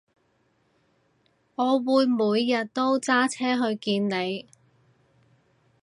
我會每日都揸車去見你